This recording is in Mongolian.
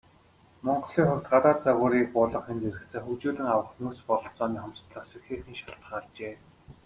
Монголын хувьд, гадаад загварыг буулгахын зэрэгцээ хөгжүүлэн авах нөөц бололцооны хомсдолоос ихээхэн шалтгаалжээ.